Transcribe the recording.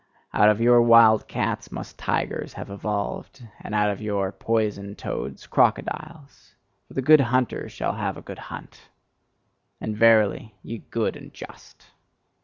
Out of your wild cats must tigers have evolved, and out of your poison toads, crocodiles: for the good hunter shall have a good hunt! And verily, ye good and just!